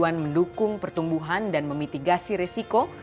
tujuan mendukung pertumbuhan dan memitigasi resiko